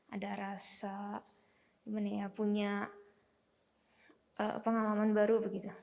ada rasa punya pengalaman baru begitu